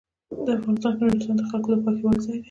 افغانستان کې نورستان د خلکو د خوښې وړ ځای دی.